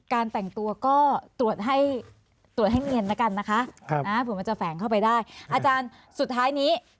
หาตัวง่ายไหมคะขอ๓๐วินาทีสุดท้าย